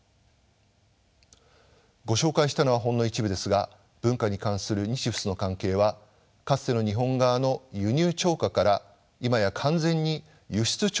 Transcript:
ご紹介したのはほんの一部ですが文化に関する日仏の関係はかつての日本側の輸入超過から今や完全に輸出超過となっています。